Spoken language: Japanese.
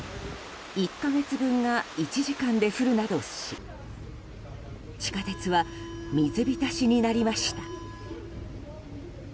１か月分が１時間で降るなどし地下鉄は水浸しになりました。